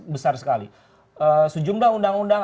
besar sekali sejumlah undang undang